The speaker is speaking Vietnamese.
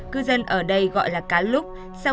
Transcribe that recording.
cư dân ở đây gọi là cá lúc